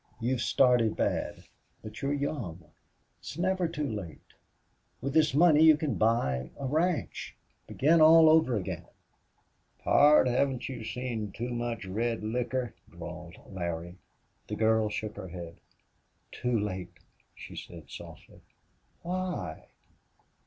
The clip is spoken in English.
"You've started bad. But you're young. It's never too late. With this money you can buy a ranch begin all over again." "Pard, haven't you seen too much red liquor?" drawled Larry. The girl shook her head. "Too late!" she said, softly. "Why?"